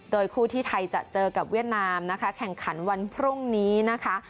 โดยคู่ที่ไทยจะเจอกับเวียดนามนะคะแข่งขันวันพรุ่งนี้นะคะ